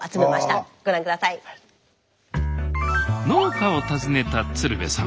農家を訪ねた鶴瓶さん。